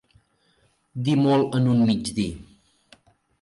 Dir molt en un mig dir.